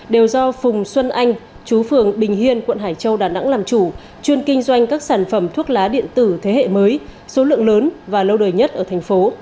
đều do phùng xuân anh chú phường bình hiên quận hải châu đà nẵng làm chủ chuyên kinh doanh các sản phẩm thuốc lá điện tử thế hệ mới số lượng lớn và lâu đời nhất ở thành phố